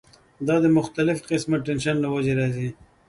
دا د مختلف قسمه ټېنشن له وجې راځی